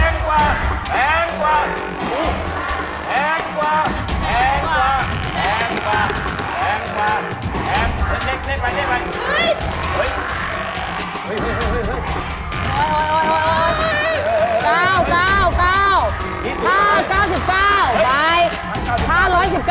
แรงกว่า